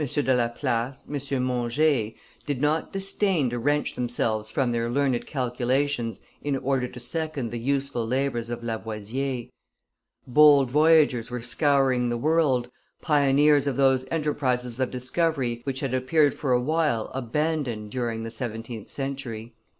de Laplace, M. Monge, did not disdain to wrench themselves from their learned calculations in order to second the useful labors of Lavoisier. Bold voyagers were scouring the world, pioneers of those enterprises of discovery which had appeared for a while abandoned during the seventeenth century.